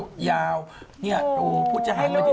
ทำไมคุณไม่พูดอย่างนี้